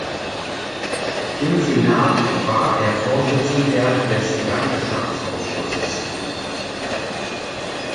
Im Senat war er Vorsitzender des Landwirtschaftsausschusses.